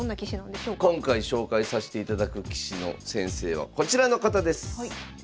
今回紹介さしていただく棋士の先生はこちらの方です。